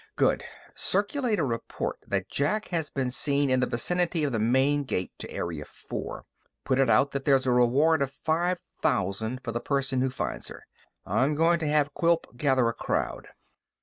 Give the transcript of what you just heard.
"Good. Circulate a report that Jack has been seen in the vicinity of the main gate to Area Four. Put it out that there's a reward of five thousand for the person who finds her. I'm going to have Quilp gather a crowd."